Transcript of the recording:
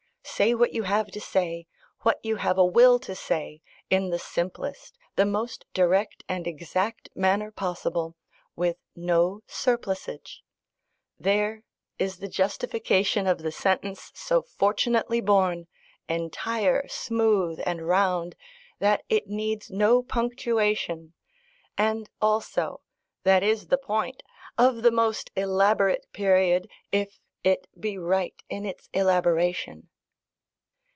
Say what you have to say, what you have a will to say, in the simplest, the most direct and exact manner possible, with no surplusage: there, is the justification of the sentence so fortunately born, "entire, smooth, and round," that it needs no punctuation, and also (that is the point!) of the most elaborate period, if it be right in its elaboration.